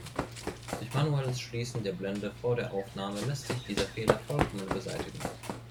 Durch manuelles Schließen der Blende vor der Aufnahme lässt sich dieser Fehler vollkommen beseitigen.